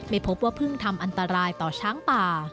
ไม่พบว่าเพิ่งทำอันตรายต่อช้างป่า